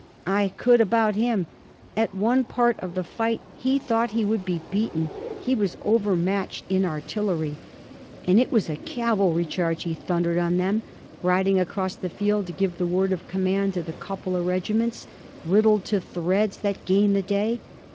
'I could about him. At one part of the fight he thought he would be beaten. He was overmatched in artillery, and it was a cavalry charge he thundered on them, riding across the field to give the word of command to the couple of regiments, riddled to threads, that gained the day.